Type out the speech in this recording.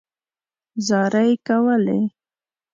زارۍ کولې.